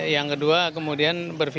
yang kedua kemudian berfisil